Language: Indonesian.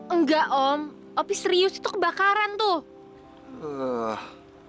enggak om tapi serius itu kebakaran tuh